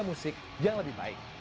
dan dunia musik yang lebih baik